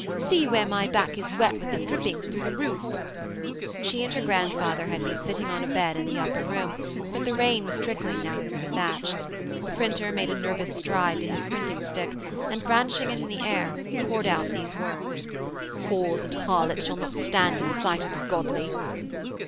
'See where my back is wet with the drippings through the roof.' She and her grandfather had been sitting on a bed in the upper room, but the rain was trickling now through the thatch. The printer made a nervous stride to his printing stick, and, brandishing it in the air, poured out these words: 'Whores and harlots shall not stand in the sight of the godly.'